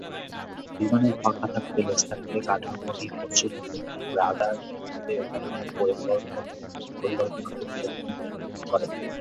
বিমানের পাখা থাকবে, লেজ থাকবে, কাঠামোটি মসৃণ হবে এবং রাডার থাকবে- এ ধরনের পরিকল্পনা তিনিই প্রথম করেন।